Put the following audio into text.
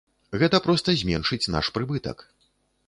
Гэта проста зменшыць наш прыбытак.